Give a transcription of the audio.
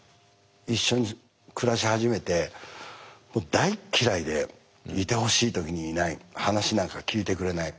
一緒に暮らし始めてもう大嫌いでいてほしい時にいない話なんか聞いてくれない。